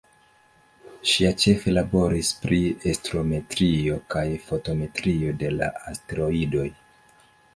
Ŝia ĉefe laboris pri astrometrio kaj fotometrio de la asteroidoj.